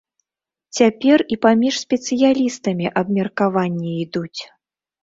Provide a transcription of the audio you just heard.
Цяпер і паміж спецыялістамі абмеркаванні ідуць.